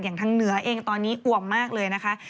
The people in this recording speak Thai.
อย่างทางเหนือเองตอนนี้อว่ำมากเลยนะฮะ